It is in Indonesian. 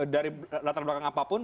dari latar belakang apapun